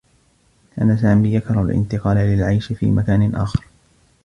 كان سامي يكره الانتقال للعيش في مكان آخر.